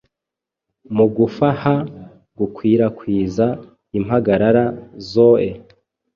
mugufaha gukwirakwiza impagarara zoe